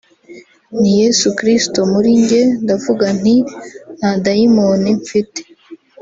ni Yesu Kristo muri njye ndavuga nti nta Dayimoni mfite